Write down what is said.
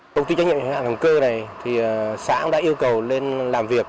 công ty trách nhiệm hữu hạn hồng cơ này thì xã đã yêu cầu lên làm việc